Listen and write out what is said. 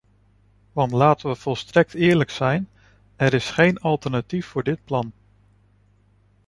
Want laten we volstrekt eerlijk zijn, er is geen alternatief voor dit plan.